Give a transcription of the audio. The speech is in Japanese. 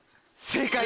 正解！